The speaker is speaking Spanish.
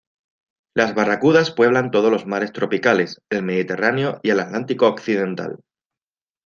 Las barracudas pueblan todos los mares tropicales, el Mediterráneo y el Atlántico occidental.